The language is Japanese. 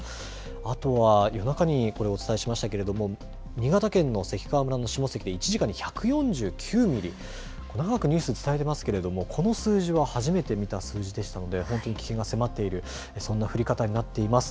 あとは、夜中にこれお伝えしましたけれども新潟県の関川村の下関で１時間に１４９ミリ長くニュースを伝えていますがこの数字は初めて見た数字でしたので本当に危険が迫っているそんな降り方になっています。